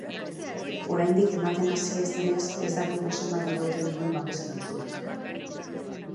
Oraindik ematen hasi ez denez, ez dakigu zenbat irauten duen babes-erantzunak.